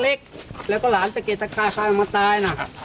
แบบนี้ดีแลย์ก็หลานจะเกลียดค่าวามันตายนะ